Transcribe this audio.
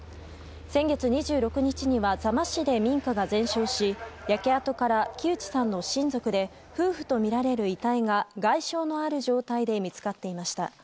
先月２６日には座間市で民家が全焼し焼け跡から木内さんの親族で夫婦とみられる遺体が外傷のある状態で見つかっていました。